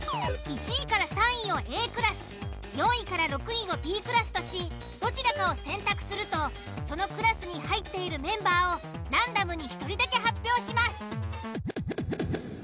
１位３位をＡクラス４位６位をＢクラスとしどちらかを選択するとそのクラスに入っているメンバーをランダムに１人だけ発表します。